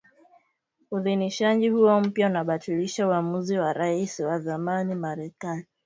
Uidhinishaji huo mpya unabatilisha uamuzi wa Rais wa zamani wa Marekani